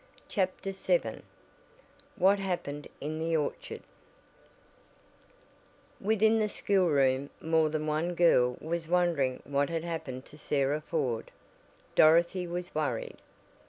CHAPTER VII WHAT HAPPENED IN THE ORCHARD Within the schoolroom more than one girl was wondering what had happened to Sarah Ford. Dorothy was worried.